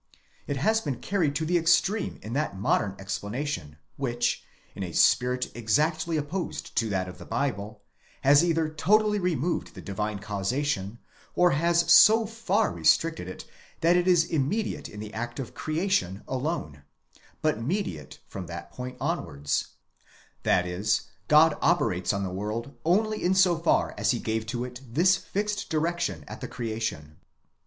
It has been carried to the extreme in that modern explanation, which, in a spirit exactly opposed to that of the Bible, has either totally removed the divine causation, or has so far restricted it that it is immediate in the act of creation alone, but mediate from that point onwards ;—i.e., God Operates on the world only in so far as he gave to it this fixed direction at the creation.